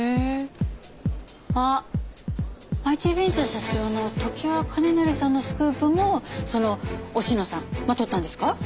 あっＩＴベンチャー社長の常盤兼成さんのスクープもその忍野さんが撮ったんですか？